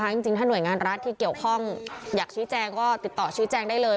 จริงถ้าหน่วยงานรัฐที่เกี่ยวข้องอยากชี้แจงก็ติดต่อชี้แจงได้เลย